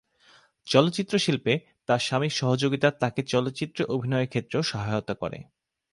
চলচ্চিত্র শিল্পে তার স্বামীর সহযোগিতা তাকে চলচ্চিত্রে অভিনয়ের ক্ষেত্রেও সহায়তা করে।